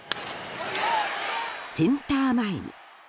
センター前に。